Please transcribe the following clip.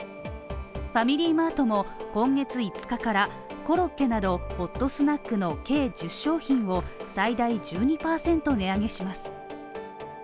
ファミリーマートも今月５日からコロッケなど、ホットスナックの計１０商品を最大１２％、値上げします。